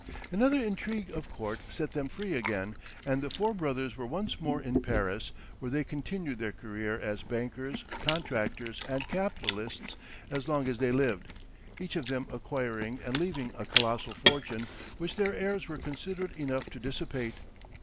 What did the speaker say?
Another intrigue of court set them free again, and the four brothers were once more in Paris, where they continued their career as bankers, contractors, and capitalists as long as they lived, each of them acquiring and leaving a colossal fortune, which their heirs were considerate enough to dissipate.